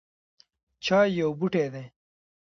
چای یو بوټی دی